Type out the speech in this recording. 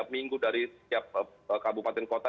empat minggu dari setiap kabupaten kota